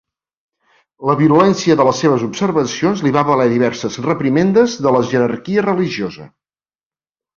La virulència de les seves observacions li va valer diverses reprimendes de la jerarquia religiosa.